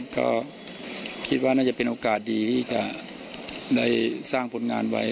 ก็คิดว่าน่าจะเป็นโอกาสดีที่จะได้สร้างผลงานไว้